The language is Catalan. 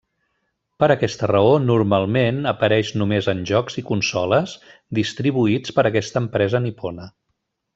Per aquesta raó, normalment apareix només en jocs i consoles distribuïts per aquesta empresa nipona.